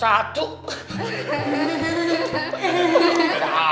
gimana aja tuh anak gue